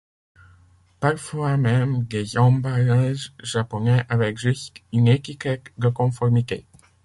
Parfois même des emballages japonais avec juste une étiquette de conformité.